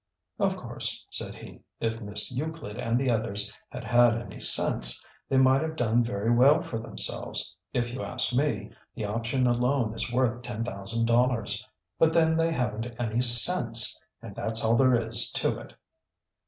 "Of course," said he, "if Miss Euclid and the others had had any sense, they might have done very well for themselves. If you ask me, the option alone is worth ten thousand dollars. But then they haven't any sense! And that's all there is to it!"